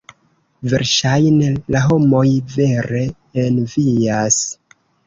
Verŝajne la homoj vere envias.